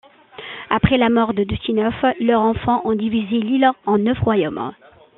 Après la mort de Tinerfe, leurs enfants ont divisé l'île en neuf royaumes.